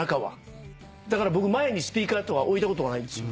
だから僕前にスピーカーとか置いたことがないんですよ。